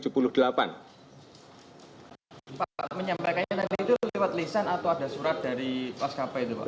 pak menyampaikannya nanti itu lewat lisan atau ada surat dari maskapai itu pak